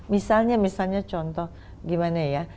misalnya contoh gimana ya